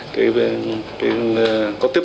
có tiếp tục thực hiện